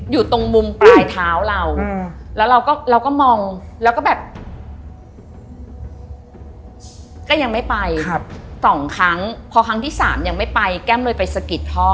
อยู่ตรงมุมปลายเท้าเราแล้วเราก็มองแล้วก็แบบก็ยังไม่ไปสองครั้งพอครั้งที่๓ยังไม่ไปแก้มเลยไปสะกิดพ่อ